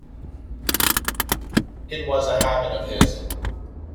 It was a habit of his.